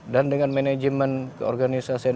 dan dengan manajemen keorganisasian